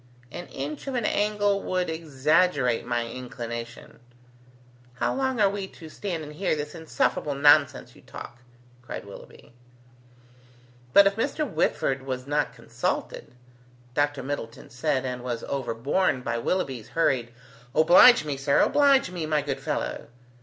"An inch of an angle would exaggerate my inclination." "How long are we to stand and hear this insufferable nonsense you talk?" cried Willoughby. "But if Mr. Whitford was not consulted ..." Dr. Middleton said, and was overborne by Willoughby's hurried, "Oblige me, sir. Oblige me, my good fellow!"